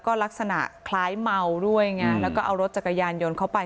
ก็ลักษณะคล้ายเมาด้วยไงแล้วก็เอารถจักรยานยนต์เข้าไป